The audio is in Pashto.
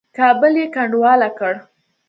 کابل یې کنډواله کړ.